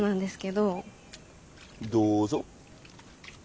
どうぞ。